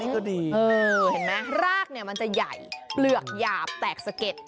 ก็ดีเห็นไหมรากมันจะใหญ่เปลือกหยาบแตกสะเก็ด